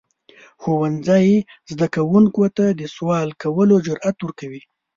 ښوونځی زده کوونکو ته د سوال کولو جرئت ورکوي.